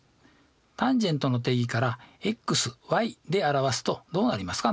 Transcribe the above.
ｔａｎの定義からｘｙで表すとどうなりますか？